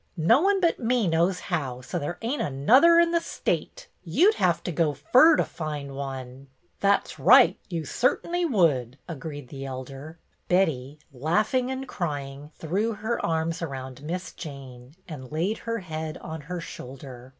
No one but me knows how, so there ain't another in the state. You 'd hev to go fur to find one." "That's right, you certny would," agreed the Elder. Betty, laughing and crying, threw her arms around Miss Jane and laid her head on her shoulder.